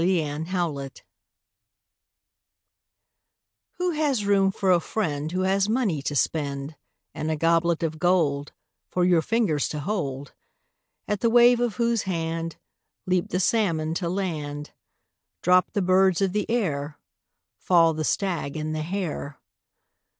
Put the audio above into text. A FRIEND IN NEED Who has room for a friend Who has money to spend, And a goblet of gold For your fingers to hold, At the wave of whose hand Leap the salmon to land, Drop the birds of the air, Fall the stag and the hare.